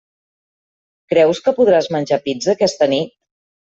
Creus que podràs menjar pizza aquesta nit?